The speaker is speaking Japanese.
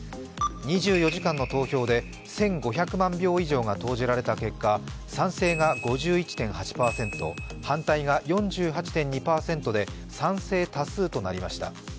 ２４時間の投票で１５００万票以上が投じられた結果賛成が５１．８％、反対が４８．２％で賛成多数となりました。